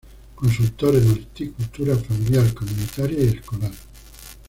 Consultor en horticultura familiar, comunitaria y escolar.